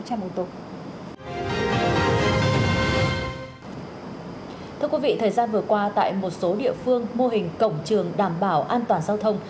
thưa quý vị thời gian vừa qua tại một số địa phương mô hình cổng trường đảm bảo an toàn giao thông